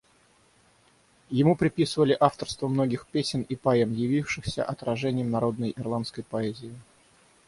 Ему приписывали авторство многих песен и поэм, явившихся отражением народной ирландской поэзии.